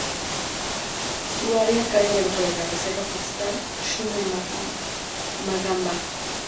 Su área cae dentro de la Reserva Forestal shume-Magamba.